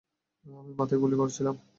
আমি মাথায় গুলি করেছিলাম।